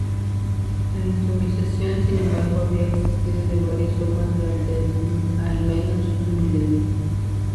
La inmunización, sin embargo, había existido de varias formas durante al menos un milenio.